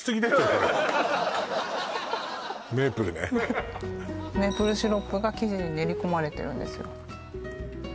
それメープルシロップが生地に練り込まれてるんですよ